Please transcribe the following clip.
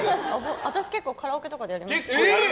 私、結構カラオケとかでやりますよ。